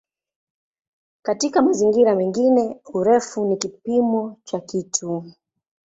Katika mazingira mengine "urefu" ni kipimo cha kitu.